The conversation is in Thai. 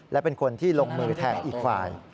และเป็นคนที่ลงมือแทงอีกฝ่าย